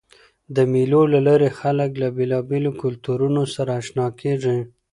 د مېلو له لاري خلک له بېلابېلو کلتورونو سره اشنا کېږي.